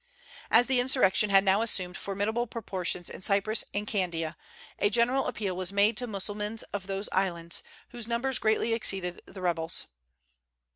As the insurrection had now assumed formidable proportions in Cyprus and Candia, a general appeal was made to Mussulmans of those islands, whose numbers greatly exceeded the rebels.